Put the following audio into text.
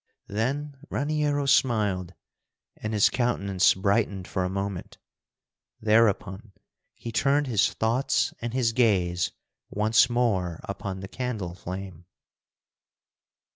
Then Raniero smiled, and his countenance brightened for a moment. Thereupon he turned his thoughts and his gaze once more upon the candle flame.